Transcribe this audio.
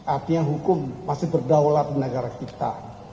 artinya hukum masih berdaulat di negara kita